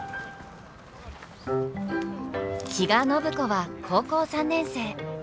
比嘉暢子は高校３年生。